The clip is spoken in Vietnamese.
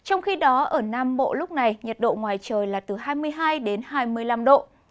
trong khi đó ở nam bộ lúc này nhiệt độ ngoài trời là từ hai mươi hai đến hai mươi năm độ